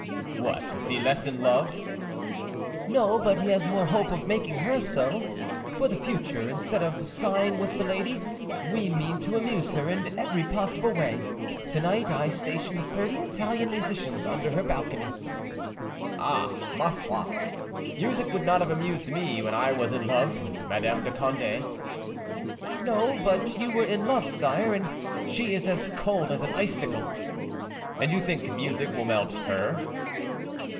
"What, is he less in love?" "No; but he has more hope of making her so. For the future, instead of sighing with the lady, we mean to amuse her in every possible way. To night I stationed thirty Italian musicians under her balcony." "Ah! ma foi! music would not have amused me when I was in love with Madame de Conde." "No; but you were in love, sire; and she is as cold as an icicle." "And you think music will melt her?"